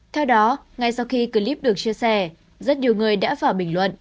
theo đó ngay sau khi clip được chia sẻ rất nhiều người đã phải bình luận